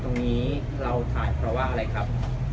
ตรงนี้เราถ่ายเพราะว่าอะไรครับ